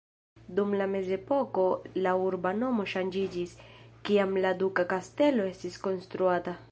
Dum la mezepoko la urba nomo ŝanĝiĝis, kiam la duka kastelo estis konstruata.